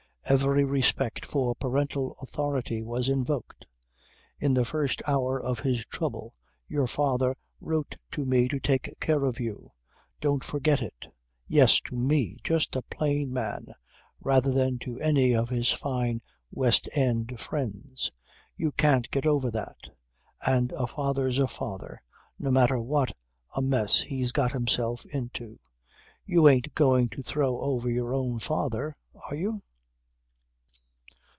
Even respect for parental authority was invoked. "In the first hour of his trouble your father wrote to me to take care of you don't forget it. Yes, to me, just a plain man, rather than to any of his fine West End friends. You can't get over that. And a father's a father no matter what a mess he's got himself into. You ain't going to throw over your own father are you?"